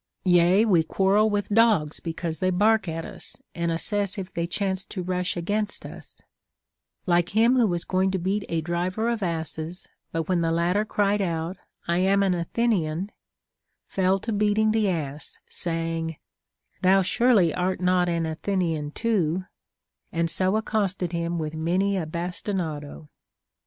Yea, we quarrel with dogs because they bark at us, and asses if they chance to rush against us ; like him who was going to beat a driver of asses, but * Soph. Antig. 563. t II. XIX. 138. 52 CONCERNING THE CURE OF ANGER. when the latter cried out, I am an Athenian, fell to beating the ass, saying, Thou surely art not an Athenian too, and so accosted him with many a bastinado.